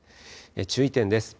注意点です。